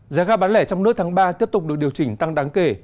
giá ga bán lẻ trong nước tháng ba tiếp tục được điều chỉnh tăng đáng kể